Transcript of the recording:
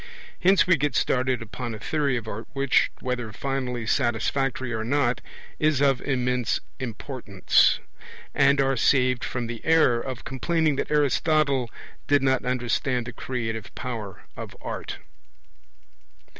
Hence we get started upon a theory of art which, whether finally satisfactory or not, is of immense importance, and are saved from the error of complaining that Aristotle did not understand the 'creative power' of art.